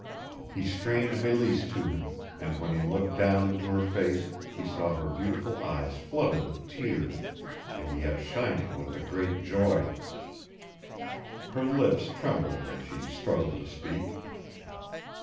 He strained Meleese to him, and when he looked down into her face he saw her beautiful eyes flooded with tears, and yet shining with a great joy. Her lips trembled as she struggled to speak.